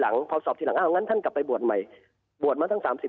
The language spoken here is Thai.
อ้างั้นท่านกลับไปบวดใหม่